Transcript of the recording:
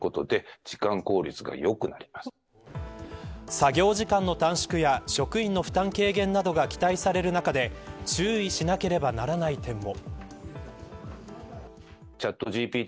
作業時間の短縮や、職員の負担軽減などが期待される中で注意しなければならない点も。